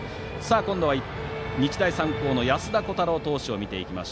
今度は日大三高の安田虎汰郎投手を見ていきます。